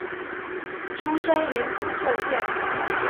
出身于滋贺县。